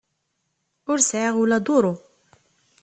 Ur sɛiɣ ula duru.